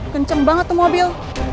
kenceng banget tuh mobil